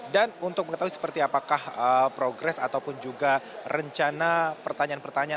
dan untuk mengetahui seperti apakah progres ataupun juga rencana pertanyaan pertanyaan